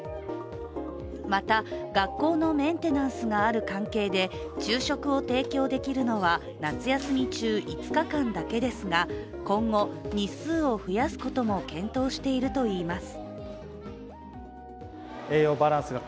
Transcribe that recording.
また、学校のメンテナンスがある関係で昼食を提供できるのは夏休み中５日間だけですが、今後日数を増やすことも検討しているといいます。